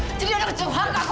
mau jadi anak suhankah kamu